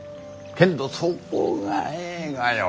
けんどそこがええがよ。